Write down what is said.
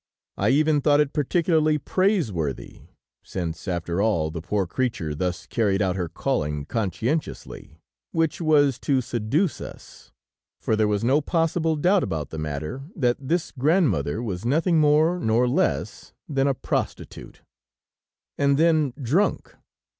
I even thought it particularly praiseworthy, since, after all, the poor creature thus carried out her calling conscientiously, which was to seduce us. For there was no possible doubt about the matter, that this grandmother was nothing more nor less than a prostitute. And then, drunk!